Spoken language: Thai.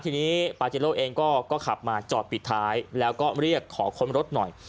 ทีนี้ปาเจโลเองก็ขับมาจอดปิดท้ายแล้วก็เรียกขอค้นรถหน่อย